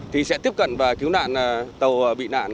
thì sẽ tiếp cận và cứu nạn tàu bị nạn